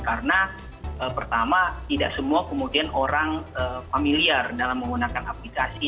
karena pertama tidak semua orang familiar dalam menggunakan aplikasi